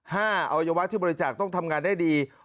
อวัยวะที่บริจาคต้องทำงานได้ดี